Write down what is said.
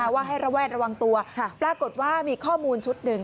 ว่าให้ระแวดระวังตัวปรากฏว่ามีข้อมูลชุดหนึ่ง